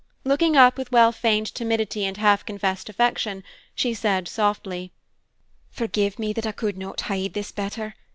Looking up with well feigned timidity and half confessed affection, she said softly, "Forgive me that I could not hide this better.